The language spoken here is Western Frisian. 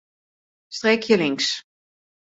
Streekje links.